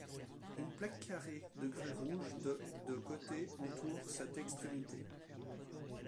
Une plaque carrée de grès rouge de de côté entoure cette extrémité.